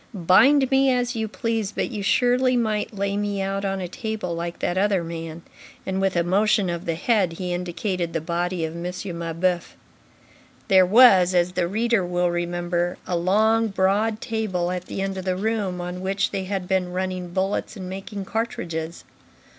Bind me as you please, but you surely might lay me out on a table like that other man." And with a motion of the head, he indicated the body of M. Mabeuf. There was, as the reader will remember, a long, broad table at the end of the room, on which they had been running bullets and making cartridges.